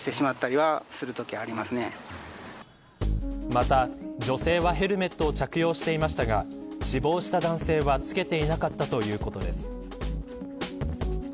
また、女性はヘルメットを着用していましたが死亡した男性は着けていなかったということです。